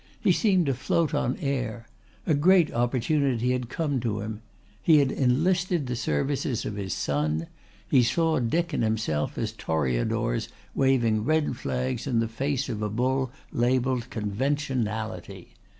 He seemed to float on air. A great opportunity had come to him. He had enlisted the services of his son. He saw Dick and himself as Toreadors waving red flags in the face of a bull labelled Conventionality.